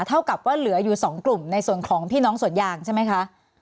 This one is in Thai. เท่ากับว่าเหลืออยู่๒กลุ่มในส่วนของพี่น้องสวนยางใช่ไหมคะ